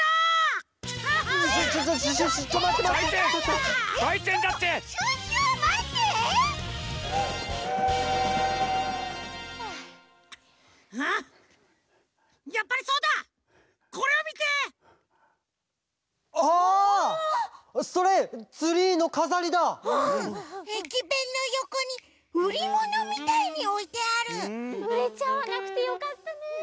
うれちゃわなくてよかったね。